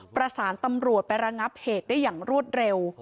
ประสานตำรวจไประงับเหตุได้อย่างรวดเร็ว